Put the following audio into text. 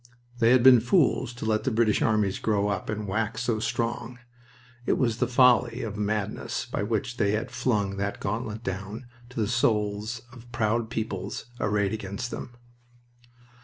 They had been fools to let the British armies grow up and wax so strong. It was the folly of the madness by which they had flung the gauntlet down to the souls of proud peoples arrayed against them.